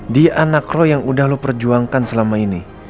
dia anak roy yang udah lo perjuangkan selama ini